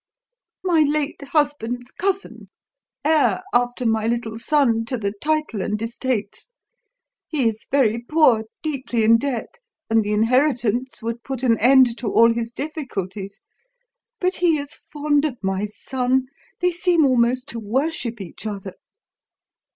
"My late husband's cousin; heir, after my little son, to the title and estates. He is very poor, deeply in debt, and the inheritance would put an end to all his difficulties. But he is fond of my son; they seem almost to worship each other.